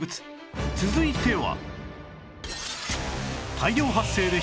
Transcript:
続いては